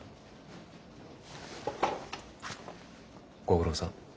ご苦労さん。